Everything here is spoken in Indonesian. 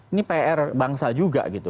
ini pr bangsa juga gitu